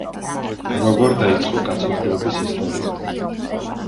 როგორ დაიწყო კაცობრიობის ისტორია?